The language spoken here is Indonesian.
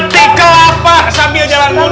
mati kelapa sambil jalan mundur